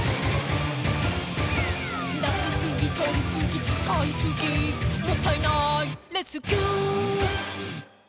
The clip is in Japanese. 「出しすぎとりすぎ使いすぎもったいないレスキュー」